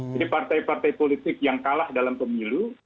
jadi partai partai politik yang kalah dalam pemilu